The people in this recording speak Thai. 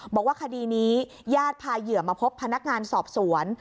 บอกว่าคดีนี้ญาติพาเหยื่อมาพบพนักงานสอบสวน